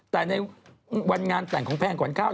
แต่ในวันงานแต่งของแพงก่อนข้าว